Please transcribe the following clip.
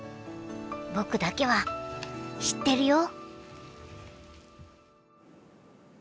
僕だけは知ってるよ。